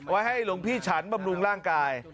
ให้หลวงพี่ฉันบำรุงร่างกาย